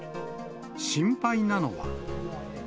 心配なのは。